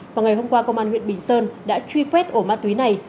một ngày hôm qua công an huyện bình sơn đã truy quét ổ ma túy này